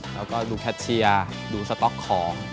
แล้วก็ดูแคทเชียร์ดูสต๊อกของ